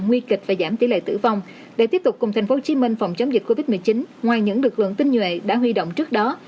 nguy kịch và giảm tỷ lệ tử vong để tiếp tục cùng tp hcm phòng chống dịch covid một mươi chín ngoài những lực lượng tinh nhuệ đã huy động trước đó